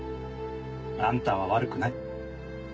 あんたは悪くない。